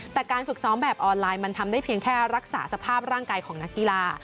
แต่การฝึกซ้อมแบบออนไลน์มันทำได้เพียงแค่รักษาสภาพร่างกายของนักกีฬา